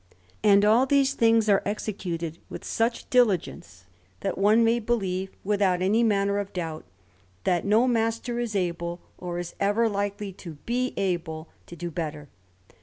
And all these things are executed with such diligence, that one may believe without any manner of doubt that no master is able, or is ever likely to be able, to do better.